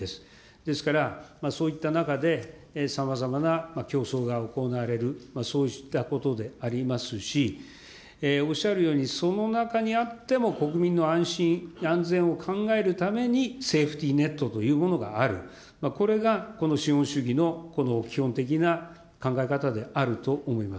ですから、そういった中で、さまざまな競争が行われる、そうしたことでありますし、おっしゃるように、その中にあっても国民の安心、安全を考えるためにセーフティネットというものがある、これがこの資本主義の基本的な考え方であると思います。